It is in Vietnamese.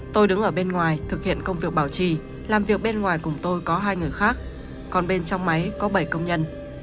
tôi đứng ở bên ngoài thực hiện công việc bảo trì làm việc bên ngoài cùng tôi có hai người khác còn bên trong máy có bảy công nhân